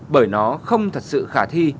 bởi nó không thật sự khả thi